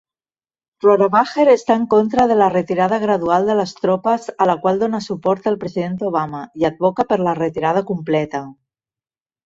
Rohrabacher està en contra de la retirada gradual de les tropes a la qual dona suport el president Obama, i advoca per la retirada completa.